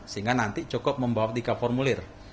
sehingga nanti cukup membawa tiga formulir